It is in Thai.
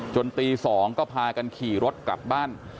ตี๒ก็พากันขี่รถกลับบ้าน